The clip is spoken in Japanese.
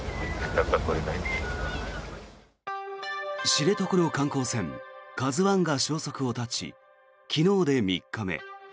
知床の観光船「ＫＡＺＵ１」が消息を絶ち昨日で３日目。